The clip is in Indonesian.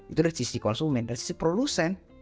itu dari sisi konsumen dari sisi produsen